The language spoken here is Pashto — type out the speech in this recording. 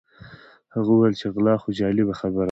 هغه وویل چې غلا خو جالبه خبره ده.